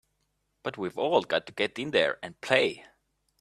But we've all got to get in there and play!